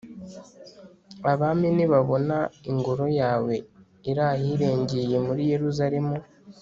abami nibabona ingoro yawe iri ahirengeye muri yeruzalemu